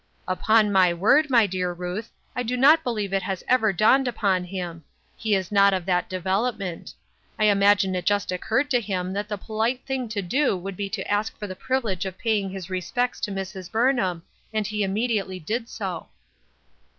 " Upon my word, my dear Ruth, I do not be lieve it has ever dawned upon him ; he is not of that development. I imagine it just occurred to him that the polite thing to do would be to ask for the privilege of paying his respects to Mrs. Burn ham, and he immediately did so."